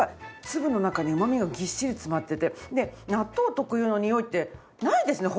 粒の中にうまみがぎっしり詰まってて納豆特有のにおいってないですね